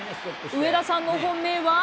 上田さんの本命は？